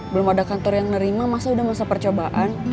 belum ada kantor yang nerima masa udah masa percobaan